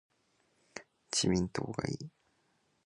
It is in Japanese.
自民党がいい